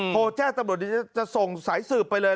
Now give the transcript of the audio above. โทรแจ้งตำรวจจะส่งสายสืบไปเลย